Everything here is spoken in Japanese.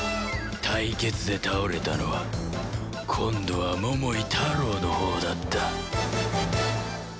対決で倒れたのは今度は桃井タロウのほうだった